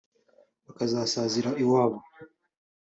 bakazasazira iwabo